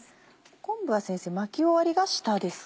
昆布は先生巻き終わりが下ですね？